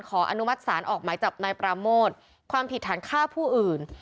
อนุมัติศาลออกหมายจับนายปราโมทความผิดฐานฆ่าผู้อื่น